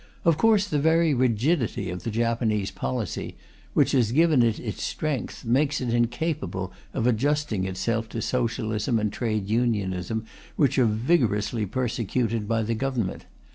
Of course the very rigidity of the Japanese policy, which has given it its strength, makes it incapable of adjusting itself to Socialism and Trade Unionism, which are vigorously persecuted by the Government.